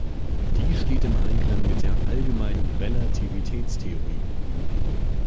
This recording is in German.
Dies steht im Einklang mit der Allgemeinen Relativitätstheorie.